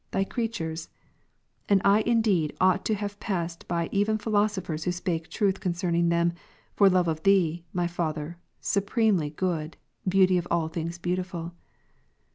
Thy creatures. And I indeed ought to have passed byeven philosophers who spake truthconcerning them, for love of Thee, my Father, supremely good. Beauty of all things beautiful.